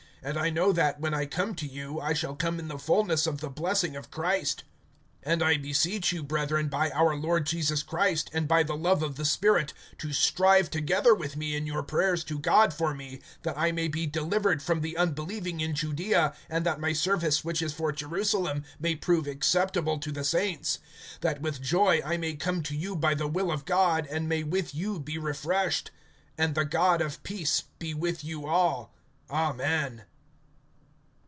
(29)And I know that, when I come to you, I shall come in the fullness of the blessing of Christ. (30)And I beseech you, brethren, by our Lord Jesus Christ, and by the love of the Spirit, to strive together with me in your prayers to God for me; (31)that I may be delivered from the unbelieving in Judaea, and that my service which is for Jerusalem may prove acceptable to the saints; (32)that with joy I may come to you by the will of God, and may with you be refreshed. (33)And the God of peace be with you all. Amen.